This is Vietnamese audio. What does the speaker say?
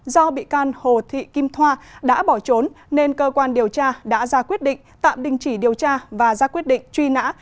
do bị can hồ thị kim thoa đã bỏ trốn nên cơ quan điều tra đã ra quyết định tạm đình chỉ điều tra và ra quyết định truy nã